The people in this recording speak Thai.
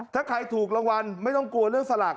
ถ้าใครถูกรางวัลไม่ต้องกลัวเรื่องสลาก